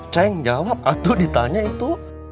ceng jawab atuh ditanya itu